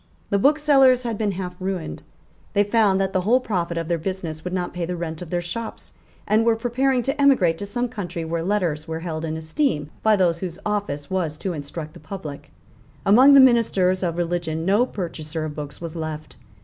The booksellers had been half ruined: they found that the whole profit of their business would not pay the rent of their shops, and were preparing to emigrate to some country where letters were held in esteem by those whose office was to instruct the public. Among the ministers of religion no purchaser of books was left.